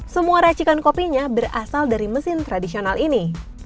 semua racikan kopinya berasal dari mesin tradisional ini